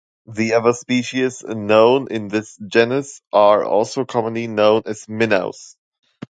The other species in this genus are also commonly known as minnows.